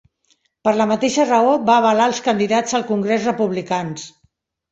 Per la mateixa raó, va avalar els candidats al Congrés republicans.